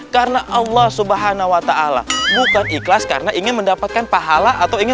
karena allah subhanahuwata'ala bukan ikhlas karena ingin mendapatkan pahala atau ingin